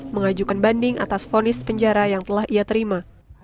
mengajukan banding atas fonis penjara yang telah ia terima